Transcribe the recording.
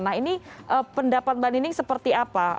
nah ini pendapat mbak nining seperti apa